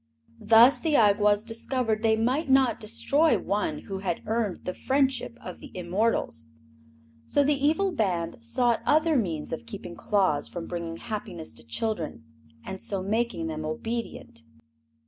Thus the Awgwas discovered they might not destroy one who had earned the friendship of the immortals; so the evil band sought other means of keeping Claus from bringing happiness to children and so making them obedient.